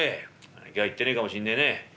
「今日は言ってねえかもしんねえね。